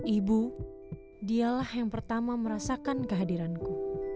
ibu dialah yang pertama merasakan kehadiranku